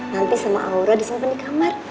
nanti sama aura disimpan di kamar